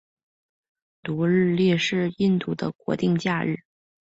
独立日是印度的国定假日。